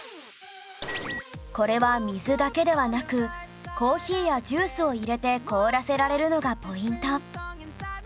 これは水だけではなくコーヒーやジュースを入れて凍らせられるのがポイント